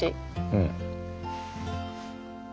うん。